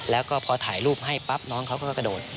แล้วก็พอถ่ายรูปให้ปั๊บน้องเขาก็กระโดด